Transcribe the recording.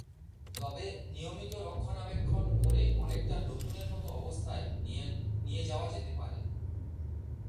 তবে নিয়মিত রক্ষণাবেক্ষণ করে অনেকটা নতুনের মতো অবস্থায় নিয়ে যাওয়া যেতে পারে।